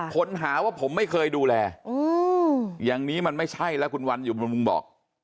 ค้นหาว่าผมไม่เคยดูแลอย่างนี้มันไม่ใช่แล้วคุณวันอยู่บนมุมบอก